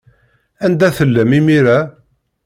Anda tellam imir-a?